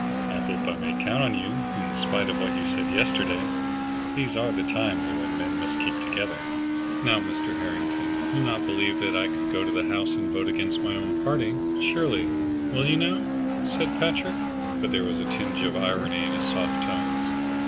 "I hope I may count on you, in spite of what you said yesterday. These are the times when men must keep together." "Now Mr. Harrington, you'll not believe that I could go to the House and vote against my own party, surely, will you now?" said Patrick. But there was a tinge of irony in his soft tones.